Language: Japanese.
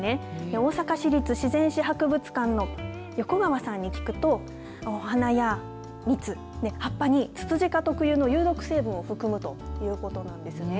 大阪市立自然史博物館の横川さんに聞くとお花や蜜、葉っぱにつつじ科特有の有毒成分を含むということなんですね。